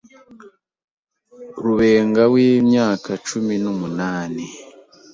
Rubenga w’imyaka cumi numunani